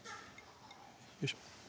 よいしょ